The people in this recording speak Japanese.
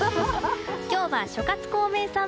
今日は諸葛孔明さん